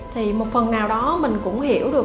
thì một phần nào đó mình cũng hiểu được